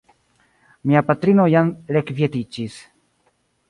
Mia patrino jam rekvietiĝis.